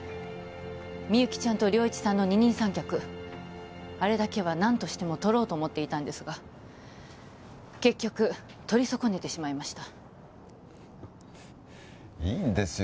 みゆきちゃんと良一さんの二人三脚あれだけは何としても撮ろうと思っていたんですが結局撮り損ねてしまいましたいいんですよ